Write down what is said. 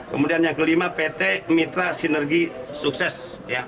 kemudian yang kelima pt mitra sinergi sukses